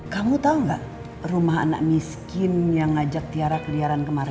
kamu tahu nggak rumah anak miskin yang ngajak tiara keliaran kemarin